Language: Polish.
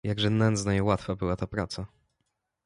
"Jakże nędzna i łatwa była ta praca!"